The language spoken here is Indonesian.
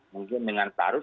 mungkin dengan pelarut